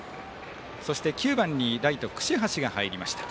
そして、９番にライト櫛橋が入りました。